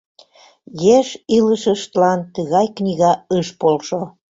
Еш илышыштлан тыгай книга ыш полшо.